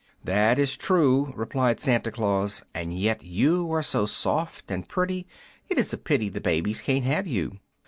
"'That is true,' replied Santa Claus; 'and yet you are so soft and pretty it is a pity the babies can't have you.